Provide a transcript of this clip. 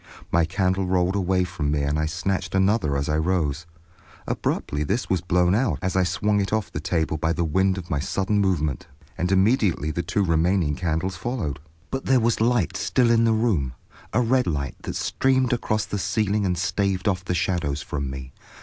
My candle rolled away from me and I snatched another as I rose. Abruptly this was blown out as I swung it off the table by the wind of my sudden movement, and immediately the two remaining candles followed. But there was light still in the room, a red light, that streamed across the ceiling and staved off the shadows from me.